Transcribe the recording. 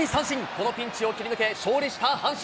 このピンチを切り抜け、勝利した阪神。